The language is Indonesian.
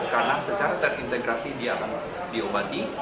karena secara terintegrasi dia akan diobati